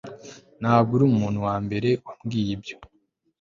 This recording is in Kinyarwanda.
Ntabwo uri umuntu wambere wambwiye ibyo